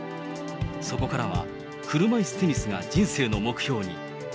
そこからは、車いすテニスが人生の目標に。